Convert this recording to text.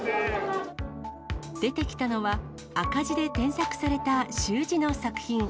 出てきたのは、赤字で添削された習字の作品。